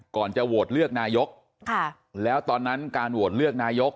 ก่อนจะโหวตเลือกนายกแล้วตอนนั้นการโหวตเลือกนายก